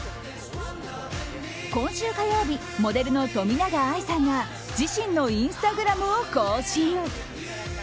今週火曜日モデルの冨永愛さんが自身のインスタグラムを更新。